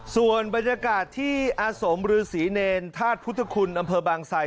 ส่วนบรรยากาศที่อาสมฤษีเนรธาตุพุทธคุณอำเภอบางไซ